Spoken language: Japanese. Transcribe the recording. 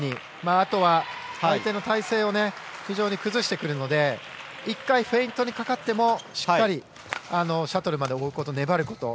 あとは相手の態勢を非常に崩してくるので１回フェイントにかかってもしっかりシャトルまで動くこと、粘ること。